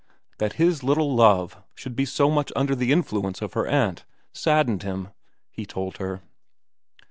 That his little love should be so much under the influence of her aunt saddened him, he told her.